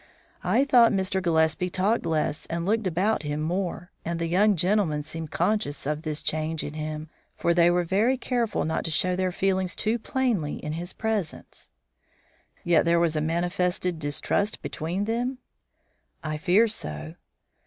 "I thought Mr. Gillespie talked less and looked about him more. And the young gentlemen seemed conscious of this change in him, for they were very careful not to show their feelings too plainly in his presence." "Yet there was a manifested distrust between them?" "I fear so."